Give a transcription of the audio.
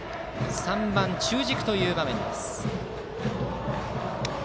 ３番、中軸という場面です。